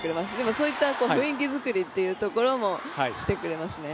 そういった雰囲気作りっていうところもしてくれますね。